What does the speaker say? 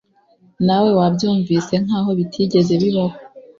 nawe wabyumvise nkaho bitigeze bibaho